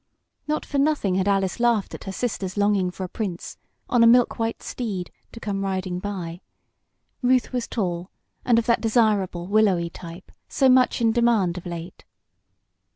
Not for nothing had Alice laughed at her sister's longing for a prince, on a milk white steed, to come riding by. Ruth was tall, and of that desirable willowy type, so much in demand of late.